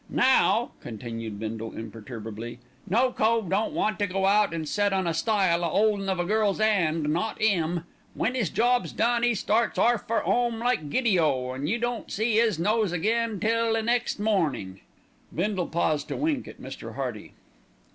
"Now," continued Bindle imperturbably, "no cove don't want to go out an' set on a stile a 'oldin' of a gal's 'and: not 'im. When 'is job's done, 'e starts orf for 'ome like giddy o, an' you don't see 'is nose again till the next mornin'." Bindle paused to wink at Mr. Hearty.